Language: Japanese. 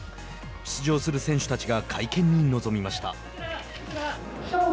出場する選手たちが会見に臨みました。